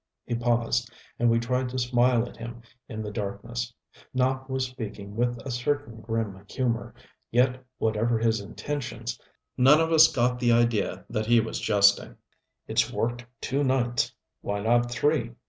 He paused, and we tried to smile at him in the darkness. Nopp was speaking with a certain grim humor, yet whatever his intentions, none of us got the idea that he was jesting. "It's worked two nights why not three.